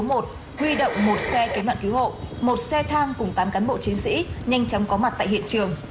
huy động một xe cứu nạn cứu hộ một xe thang cùng tám cán bộ chiến sĩ nhanh chóng có mặt tại hiện trường